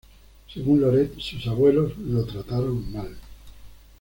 Según Loret, sus abuelos "lo trataron mal.